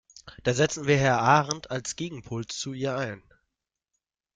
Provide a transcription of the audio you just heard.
Dann setzen wir Herrn Ahrendt als Gegenpol zu ihr ein.